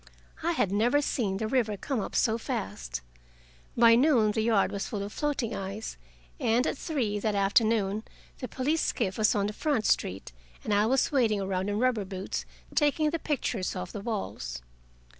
I had never seen the river come up so fast. By noon the yard was full of floating ice, and at three that afternoon the police skiff was on the front street, and I was wading around in rubber boots, taking the pictures off the walls.